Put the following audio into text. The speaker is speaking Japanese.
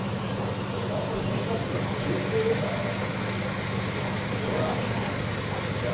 このとき、変化球がきれっきれでしたからね。